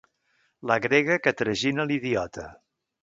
La grega que tragina l'idiota.